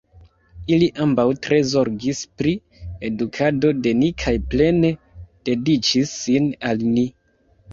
Ili ambaŭ tre zorgis pri edukado de ni kaj plene dediĉis sin al ni.